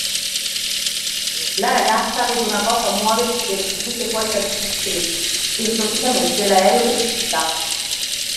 La ragazza vede una cosa muoversi velocemente fuori dal finestrino, e improvvisamente l'aereo precipita.